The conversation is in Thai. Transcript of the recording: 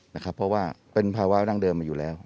เพราะว่าเป็นภาวะดั้งเดิมมาอยู่แล้ว